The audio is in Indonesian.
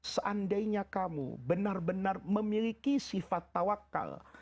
seandainya kamu benar benar memiliki sifat tawakal